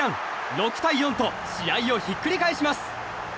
６対４と試合をひっくり返します。